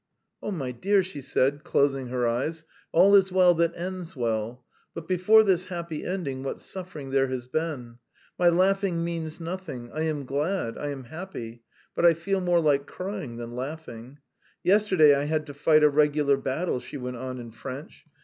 "Oh, my dear," she said, closing her eyes, "all is well that ends well; but before this happy ending, what suffering there has been! My laughing means nothing; I am glad, I am happy, but I feel more like crying than laughing. Yesterday I had to fight a regular battle," she went on in French.